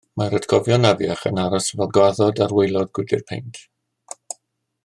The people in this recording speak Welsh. Mae'r atgofion afiach yn aros fel gwaddod ar waelod gwydr peint